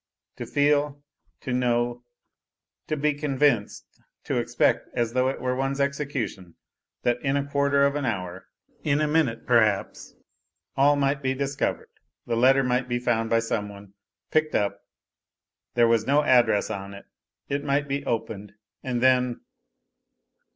To feel, to know, to l)e convinced, to expect, as though it were one's execution, that in a quarter of an hour, in a minute perhaps, all might be di i ov. red, the letter might be found by some one, picked up; there was no address on it, it might be opened, and then